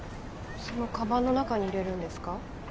そのかばんの中に入れるんですか？